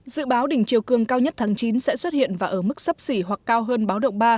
dự báo đỉnh chiều cương cao nhất tháng chín sẽ xuất hiện và ở mức sấp xỉ hoặc cao hơn báo động ba